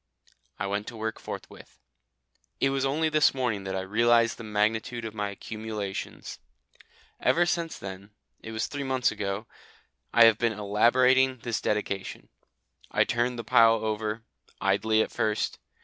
I went to work forthwith. It was only this morning that I realised the magnitude of my accumulations. Ever since then it was three months ago I have been elaborating this Dedication. I turned the pile over, idly at first.